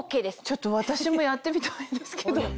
ちょっと私もやってみたいんですけど。